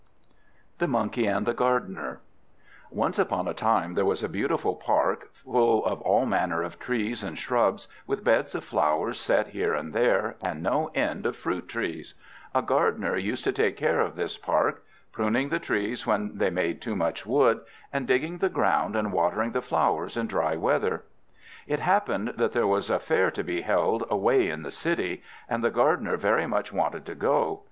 THE MONKEYS AND THE GARDENER Once upon a time there was a beautiful park, full of all manner of trees and shrubs, with beds of flowers set here and there, and no end of fruit trees. A gardener used to take care of this park; pruning the trees when they made too much wood, and digging the ground, and watering the flowers in dry weather. It happened that there was a fair to be held away in the city, and the gardener very much wanted to go.